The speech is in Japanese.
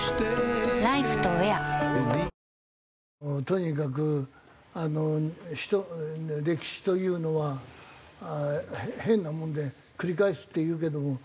とにかく歴史というのは変なもんで繰り返すっていうけども。